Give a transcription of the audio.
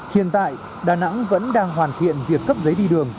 hiện tại đà nẵng vẫn đang hoàn thiện việc cấp giấy